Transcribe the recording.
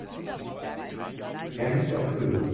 Er liegt auf Höhe.